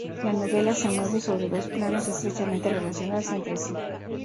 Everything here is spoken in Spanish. La novela se mueve sobre dos planos, estrechamente relacionados entre sí.